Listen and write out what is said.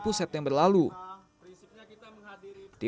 risiknya kita menghadiri